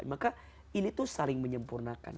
maka ini tuh saling menyempurnakan